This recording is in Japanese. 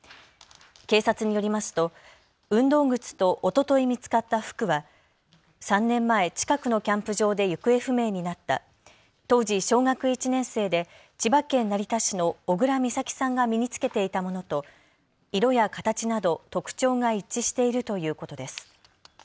警察によりますと運動靴とおととい見つかった服は３年前、近くのキャンプ場で行方不明になった当時、小学１年生で千葉県成田市の小倉美咲さんが身に着けていたものと色や形など特徴が一致しているということです。